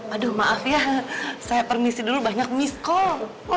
aduh maaf ya saya permisi dulu banyak miss call